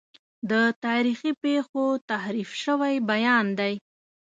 د تاریخي پیښو تحریف شوی بیان دی.